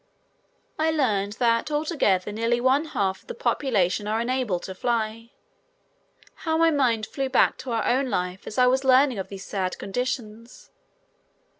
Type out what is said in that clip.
I learned that altogether nearly one half of the population are unable to fly. How my mind flew back to our own life as I was learning of these sad conditions.